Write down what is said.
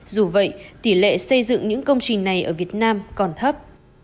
dù vậy tỷ lệ xây dựng những công trình này ở việt nam còn thấp